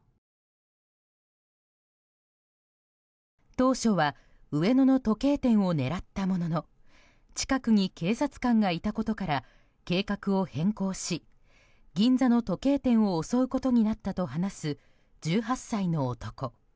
当初は上野の時計店を狙ったものの近くに警察官がいたことから計画を変更し銀座の時計店を襲うことになったと話す１８歳の男。